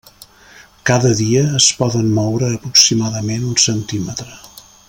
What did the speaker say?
Cada dia es poden moure aproximadament un centímetre.